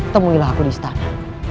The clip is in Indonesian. temuilah aku di istana